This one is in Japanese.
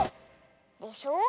でしょ。